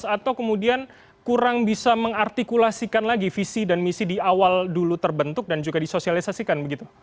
atau kemudian kurang bisa mengartikulasikan lagi visi dan misi di awal dulu terbentuk dan juga disosialisasikan begitu